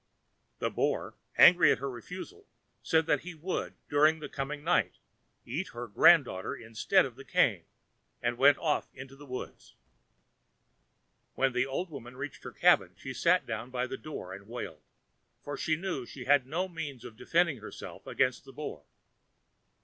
The Boar, angry at her refusal, said that he would, during the coming night, eat her granddaughter instead of the cane, and went off into the wood. When the old woman reached her cabin she sat down by the door and wailed, for she knew she had no means of defending herself against the Boar.